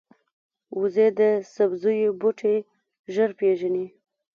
وزې د سبزیو بوټي ژر پېژني